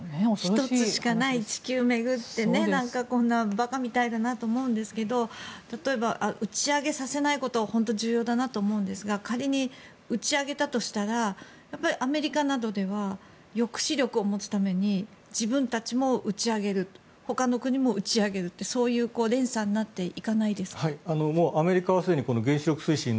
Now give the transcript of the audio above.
１つしかない地球を巡ってこんな、馬鹿みたいだなと思うんですけど例えば打ち上げさせないことは本当に重要だなと思うんですが仮に打ち上げたとしたらアメリカなどでは抑止力を持つために自分たちも打ち上げるほかの国も打ち上げるってそういう連鎖になっていかないですか？